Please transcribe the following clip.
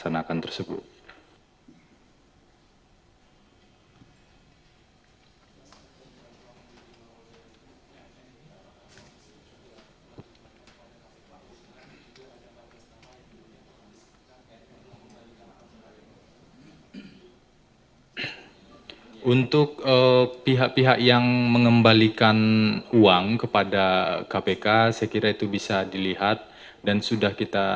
nanti tentu kita akan dalami lebih lanjut